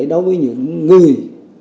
đối với những người